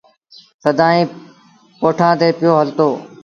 سدائيٚݩ پوٺآن تي پيو هلتو۔